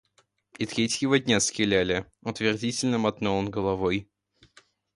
И третьего дня стреляли, — утвердительно мотнул он головой.